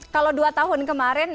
kalau dua tahun kemarin